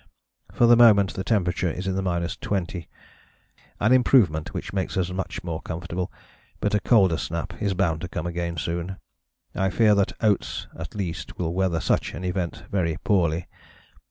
For the moment the temperature is in the 20° an improvement which makes us much more comfortable, but a colder snap is bound to come again soon. I fear that Oates at least will weather such an event very poorly.